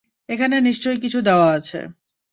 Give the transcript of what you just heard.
এখানে নিশ্চয় কিছু দেওয়া আছে।